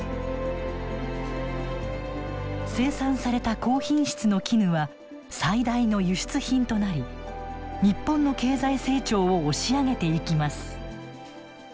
生産された高品質の絹は最大の輸出品となり日本の経済成長を押し上げていきます。